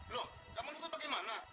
loh nggak menuntut bagaimana